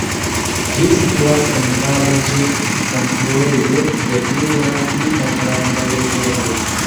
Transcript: Ĝi situas en valo ĉe kunfluejo de pluraj pli malgrandaj riveroj.